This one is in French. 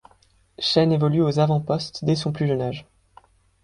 Chen évolue aux avant-postes dès son plus jeune âge.